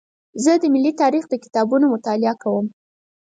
زه د ملي تاریخ د کتابونو مطالعه کوم.